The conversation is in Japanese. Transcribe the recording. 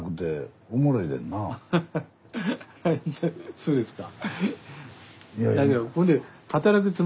そうですか？